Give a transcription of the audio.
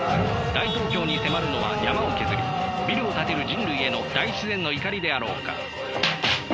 大東京に迫るのは山を削りビルを建てる人類への大自然の怒りであろうか。